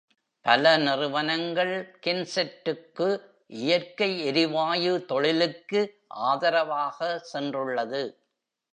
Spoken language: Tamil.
பல நிறுவனங்கள் கென்செட்டுக்கு இயற்கை எரிவாயு தொழிலுக்கு ஆதரவாக சென்றுள்ளது.